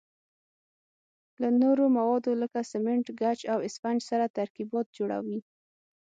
له نورو موادو لکه سمنټ، ګچ او اسفنج سره ترکیبات جوړوي.